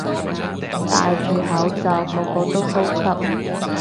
戴住口罩個個都高級